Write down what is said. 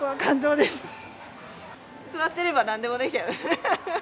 座ってればなんでもできちゃいますね。